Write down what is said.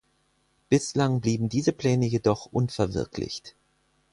Bislang blieben diese Pläne jedoch unverwirklicht.